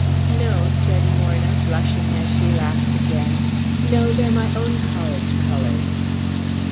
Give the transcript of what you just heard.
"No," said Morna, blushing as she laughed again. "No, they're my own college colors."